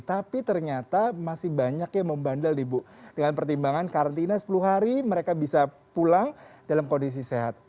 tapi ternyata masih banyak yang membandel nih bu dengan pertimbangan karantina sepuluh hari mereka bisa pulang dalam kondisi sehat